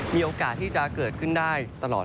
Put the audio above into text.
มีโอกาสที่จะเกิดขึ้นได้ตลอดทั้งสัปดาห์